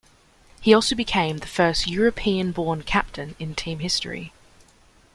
He also became the first European-born captain in team history.